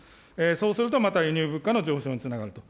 そうすると、また輸入物価の上昇につながると。